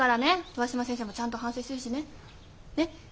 上嶋先生もちゃんと反省してるしね。ね？